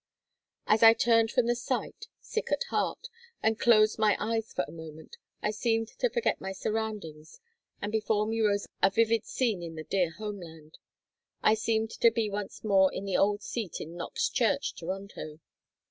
As I turned from the sight, sick at heart, and closed my eyes for a moment, I seemed to forget my surroundings and before me rose a vivid scene in the dear homeland. I seemed to be once more in the old seat in Knox Church, Toronto.